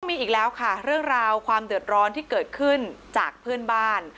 มีอีกแล้วค่ะเรื่องราวความเดือดร้อนที่เกิดขึ้นจากเพื่อนบ้าน